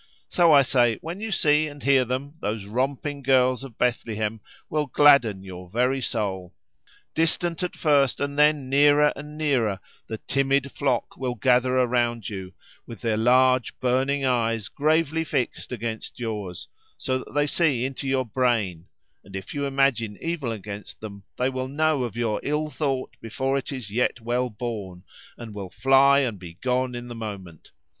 So, I say, when you see and hear them, those romping girls of Bethlehem will gladden your very soul. Distant at first, and then nearer and nearer the timid flock will gather around you, with their large burning eyes gravely fixed against yours, so that they see into your brain; and if you imagine evil against them, they will know of your ill thought before it is yet well born, and will fly and be gone in the moment.